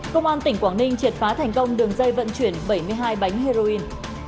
công an tỉnh quảng ninh triệt phá thành công đường dây vận chuyển bảy mươi hai bánh heroin